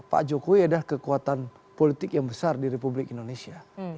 pak jokowi adalah kekuatan politik yang besar di republik indonesia